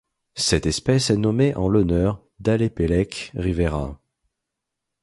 Cette espèce est nommée en l'honneur d'Alepeleke Rivera.